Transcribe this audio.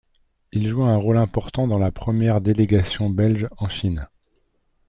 Il joua un rôle important dans la première délégation belge en Chine.